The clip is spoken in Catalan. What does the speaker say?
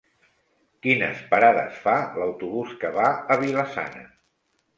Quines parades fa l'autobús que va a Vila-sana?